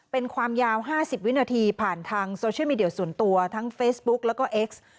เป็นความยาว๕๐วินาทีผ่านทางโซเชียลมีเดียส่วนตัวทั้งเฟซบุ๊กแล้วก็เอ็กซ์